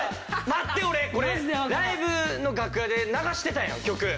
待って俺これライブの楽屋で流してたやん曲。